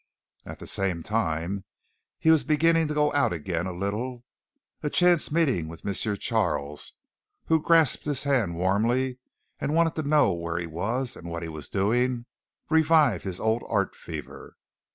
At the same time he was beginning to go out again a little. A chance meeting with M. Charles, who grasped his hand warmly and wanted to know where he was and what he was doing, revived his old art fever.